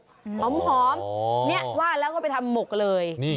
หอมเนี่ยว่าแล้วก็ไปทำหมกเลย